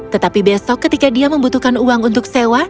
tetapi besok ketika dia membutuhkan uang untuk sewa